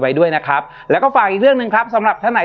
ไว้ด้วยนะครับแล้วก็ฝากอีกเรื่องหนึ่งครับสำหรับท่านไหน